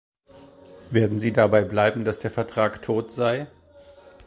Werden Sie dabei bleiben, dass der Vertrag tot sei?